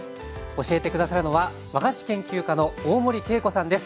教えて下さるのは和菓子研究家の大森慶子さんです。